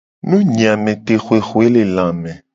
Nunyiametehuehuelelame.